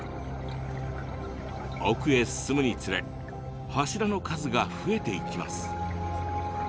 奥へ進むにつれ柱の数が増えていきます。